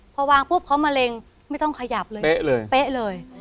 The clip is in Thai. พอวางปุ๊บเขามะเร็งไม่ต้องขยับเลยเป๊ะเลยเป๊ะเลย